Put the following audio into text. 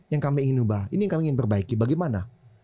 yang kami ingin ubah ini yang kami ingin perbaiki bagaimana